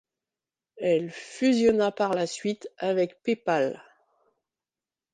Elle fusionna par la suite avec PayPal.